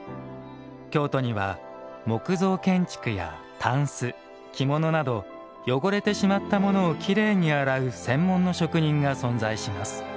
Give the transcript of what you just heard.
京都には、木造建築やたんす着物など汚れてしまったものをきれいに洗う専門の職人が存在します。